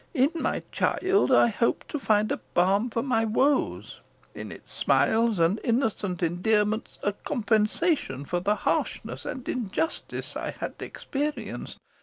In my child I hoped to find a balm for my woes: in its smiles and innocent endearments a compensation for the harshness and injustice I had experienced.